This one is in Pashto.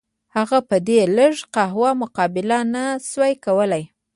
هغه په دې لږه قوه مقابله نه شوای کولای.